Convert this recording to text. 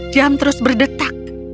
jam terus berdetak